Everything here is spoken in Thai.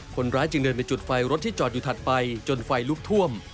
คนร้ายจึงเดินไปจุดไฟรถที่จอดอยู่ถัดไปจนไฟลุกท่วม